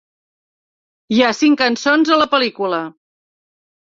Hi ha cinc cançons a la pel·lícula.